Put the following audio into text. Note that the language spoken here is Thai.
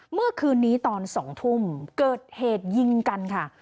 เมื่อคืนนี้ตอน๒ทุ่มเกิดเหตุยิงกันค่ะ